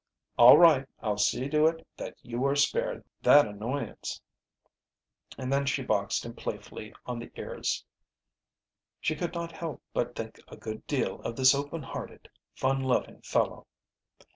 "All right, I'll see to it that you are spared that annoyance." And then she boxed him playfully on the ears. She could not help but think a good deal of this open hearted, fun loving fellow.